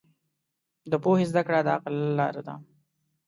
د پوهې زده کړه د عقل لاره ده.